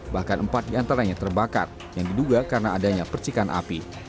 bahkan empat diantaranya terbakar yang diduga karena adanya percikan api